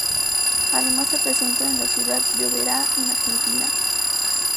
Además se presentan en la ciudad de Oberá, en Argentina.